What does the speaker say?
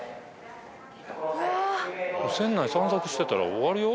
うわっ船内散策してたら終わるよ